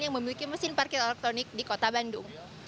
yang memiliki mesin parkir elektronik di kota bandung